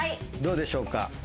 どうでしょうか？